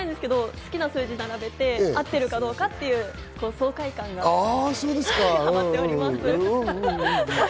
好きな数字を並べて合ってるかどうかっていうことにハマっております。